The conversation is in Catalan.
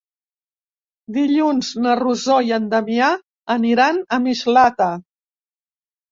Dilluns na Rosó i en Damià aniran a Mislata.